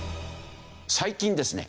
最近ですね